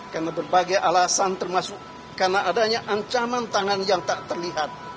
karena berbagai alasan termasuk karena adanya ancaman tangan yang tak terlihat